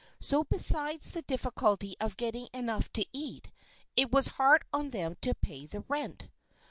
So besides the difficulty of getting enough to eat, it was hard on them to pay the rent.